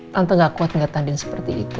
tante gak kuat gak tahanin seperti itu